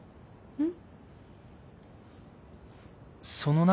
うん。